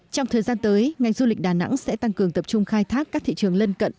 trong thời gian tới ngành du lịch đà nẵng sẽ tăng cường tập trung khai thác các thị trường lân cận